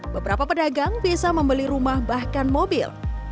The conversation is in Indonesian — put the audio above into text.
beberapa pedagang biasa membeli rumah bahkan mobil